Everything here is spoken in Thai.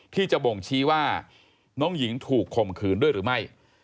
ที่จะบ่งชี้ว่าน้องหญิงถูกข่มขืนด้วยหรือไม่